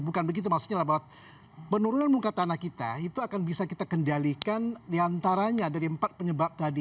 bukan begitu maksudnya bahwa penurunan muka tanah kita itu akan bisa kita kendalikan diantaranya dari empat penyebab tadi